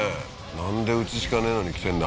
なんでうちしかねえのに来てんだ